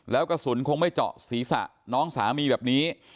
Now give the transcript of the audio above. แล้วกระสุนคงไม่เจาะศีรษะน้องสามีแบบนี้